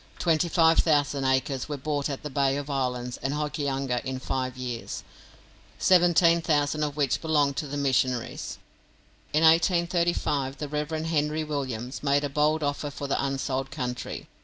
Twenty five thousand acres were bought at the Bay of Islands and Hokianga in five years, seventeen thousand of which belonged to the missionaries. In 1835 the Rev. Henry Williams made a bold offer for the unsold country.